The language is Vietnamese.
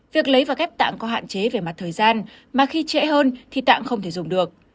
việc lấy và ghép tạng có hạn chế về mặt thời gian mà khi trễ hơn thì tạng không thể dùng được